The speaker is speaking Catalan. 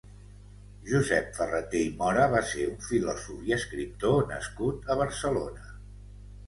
Josep Ferrater i Mora va ser un filòsof i escriptor nascut a Barcelona.